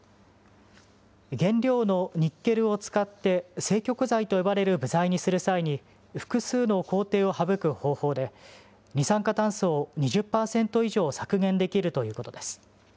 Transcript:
原料のニッケルを使って正極材と呼ばれる部材にする際に、複数の工程を省く方法で、二酸化炭素を２０％以上削減できるということです。